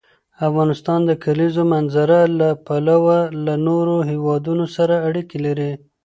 افغانستان د د کلیزو منظره له پلوه له نورو هېوادونو سره اړیکې لري.